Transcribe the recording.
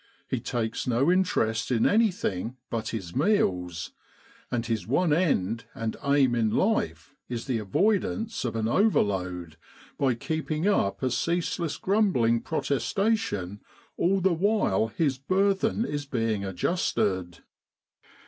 He takes no interest in anything but his meals, and his one end and aim in life is the avoidance of an over load by keeping up a ceaseless grumbling protestation all the while his burthen is being adjusted.